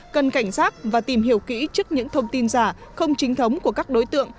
cần cảnh giác và tìm hiểu kỹ trước những thông tin giả không chính thống của các đối tượng